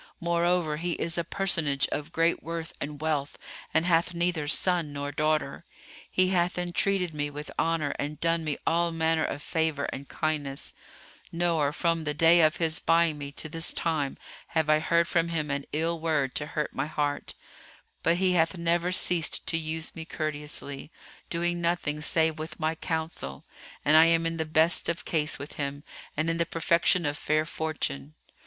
Moreover, he is a personage of great worth and wealth and hath neither son nor daughter. He hath entreated me with honour and done me all manner of favour and kindness; nor, from the day of his buying me to this time have I heard from him an ill word to hurt my heart: but he hath never ceased to use me courteously; doing nothing save with my counsel, and I am in the best of case with him and in the perfection of fair fortune.